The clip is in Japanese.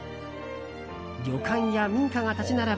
旅館や民家が立ち並ぶ